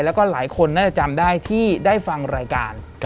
แล้วก็หลายคนน่าจะจำได้ที่ได้ฟังรายการ